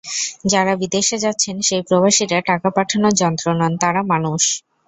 যাঁরা বিদেশে যাচ্ছেন, সেই প্রবাসীরা টাকা পাঠানোর যন্ত্র নন, তাঁরা মানুষ।